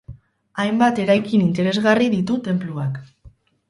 Hainbat eraikin interesgarri ditu tenpluak.